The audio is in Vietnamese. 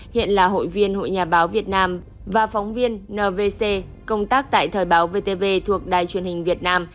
hiện là hội viên hội nhà báo việt nam và phóng viên nvc công tác tại thời báo vtv thuộc đài truyền hình việt nam